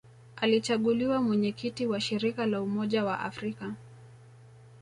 Alichaguliwa Mwenyekiti wa Shirika la Umoja wa Afrika